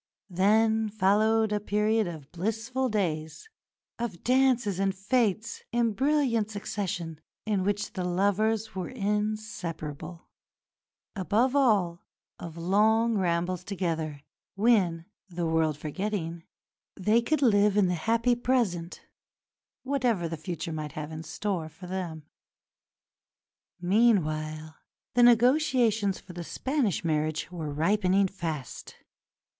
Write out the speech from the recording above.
Then followed a period of blissful days, of dances and fêtes, in brilliant succession, in which the lovers were inseparable; above all, of long rambles together, when, "the world forgetting," they could live in the happy present, whatever the future might have in store for them. Meanwhile the negotiations for the Spanish marriage were ripening fast.